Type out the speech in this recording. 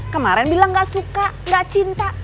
kemarin bilang gak suka gak cinta